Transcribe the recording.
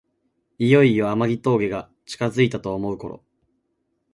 いよいよ天城峠が近づいたと思うころ